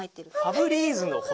ファブリーズの星！？